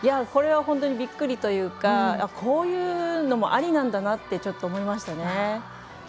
これは本当にびっくりというかこういうのもありなんだなとちょっと思いましたね。